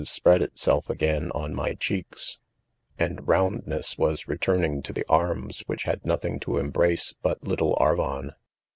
spread itself again on my% ■■ cheeks,; *and iroundness .was', returning: to the arm s which had nothing to embrace but little Arvo'n.